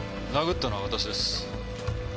殴ったのは私です。